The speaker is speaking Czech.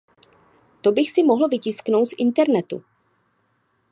To bych si mohl vytisknout z internetu.